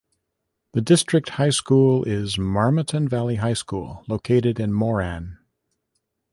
The district high school is Marmaton Valley High School located in Moran.